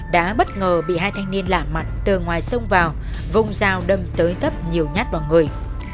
đã bất ngờ bị hai thanh niên lạ mặt từ ngoài sông vào vùng rào đâm tới tấp nhiều nhát bằng người